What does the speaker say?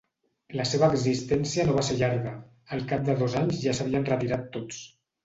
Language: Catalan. La seva existència no va ser llarga; al cap de dos anys ja s'havien retirat tots.